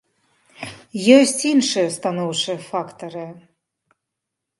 Ёсць іншыя станоўчыя фактары.